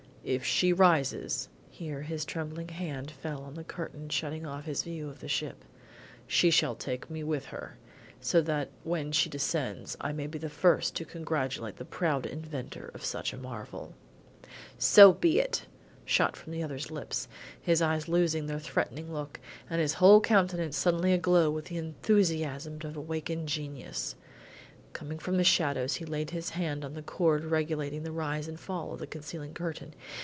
If she rises " here his trembling hand fell on the curtain shutting off his view of the ship, "she shall take me with her, so that when she descends I may be the first to congratulate the proud inventor of such a marvel." "So be it!" shot from the other's lips, his eyes losing their threatening look, and his whole countenance suddenly aglow with the enthusiasm of awakened genius. Coming from the shadows, he laid his hand on the cord regulating the rise and fall of the concealing curtain.